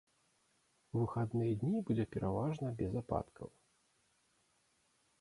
У выхадныя дні будзе пераважна без ападкаў.